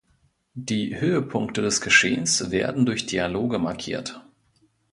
Die Höhepunkte des Geschehens werden durch Dialoge markiert.